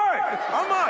甘い！